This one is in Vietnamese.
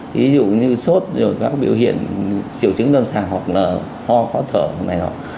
ví dụ như sốt rồi các biểu hiện triệu chứng lâm sàng hoặc là ho khóa thở này đó